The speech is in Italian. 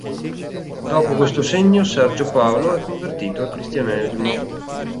Dopo questo segno Sergio Paolo è convertito al cristianesimo.